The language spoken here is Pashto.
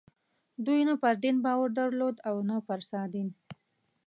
دوی نه پر دین باور درلود او نه پر سادین.